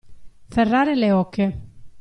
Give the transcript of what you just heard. Ferrare le oche.